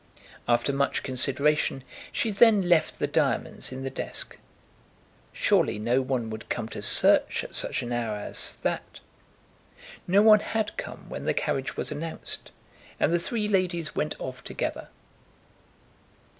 After much consideration she then left the diamonds in the desk. Surely no one would come to search at such an hour as that. No one had come when the carriage was announced, and the three ladies went off together.